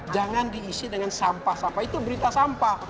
jangan diisi dengan sampah sampah itu berita sampah